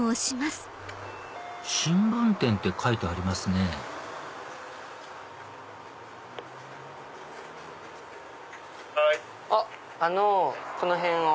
新聞店って書いてありますねはい。